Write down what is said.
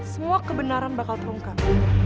semua kebenaran bakal terungkap